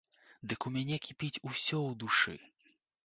Дык у мяне кіпіць усё ў душы.